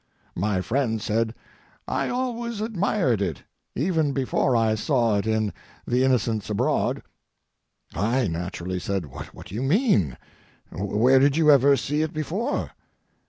My friend said, "I always admired it, even before I saw it in The Innocents Abroad." I naturally said: "What do you mean? Where did you ever see it before?"